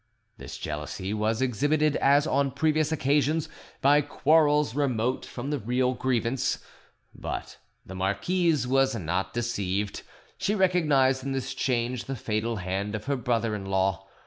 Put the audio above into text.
This jealousy was exhibited as on previous occasions, by quarrels remote from the real grievance; but the marquise was not deceived: she recognised in this change the fatal hand of her brother in law.